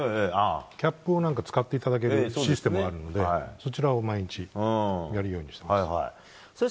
キャップを使っていただけるシステムがあるのでそちらを毎日やるようにしています。